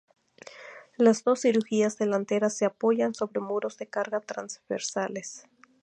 Las dos crujías delanteras se apoyan sobre muros de carga transversales.